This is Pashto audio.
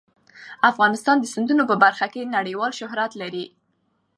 افغانستان د سیندونه په برخه کې نړیوال شهرت لري.